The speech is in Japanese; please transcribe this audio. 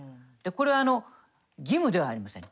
これは義務ではありません。